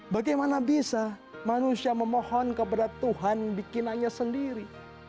bagaimana bisa manusia memohon kepada tuhan bikinannya sendiri